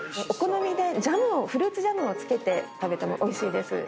お好みでフルーツジャムを付けて食べてもおいしいです。